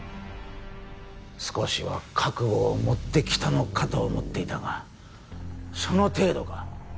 少しは覚悟を持ってきたのかと思っていたがその程度か。